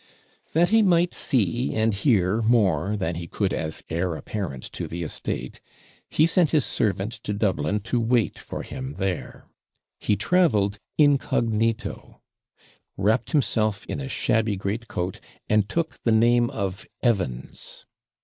That he might see and hear more than he could as heir apparent to the estate, he sent his servant to Dublin to wait for him there. He travelled INCOGNITO, wrapped himself in a shabby greatcoat, and took the name of Evans.